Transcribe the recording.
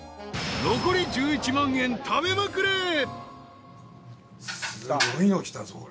［残り１１万円食べまくれ］